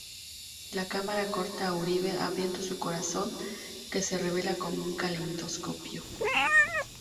La cámara corta a Urie abriendo su corazón, que se revela como un caleidoscopio.